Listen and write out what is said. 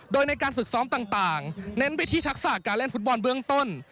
โดยในการฝึกซ้อมต่างเน้นไปที่ทักษะการเล่นฟุตบอลเบื้องต้น